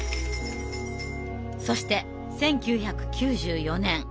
そして１９９４年。